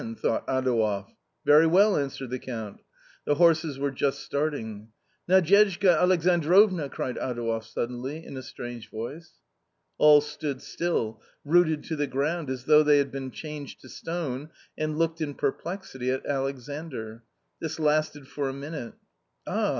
thought Adouev. " Very well," answered the Count. The horses were just starting. " Nadyezhda Alexandrovna !" cried Adouev, suddenly, in a strange voice. All stood still, rooted to the ground, as though they had been changed to stone and looked in perplexity at Alexandr. This lasted for a minute. " Ah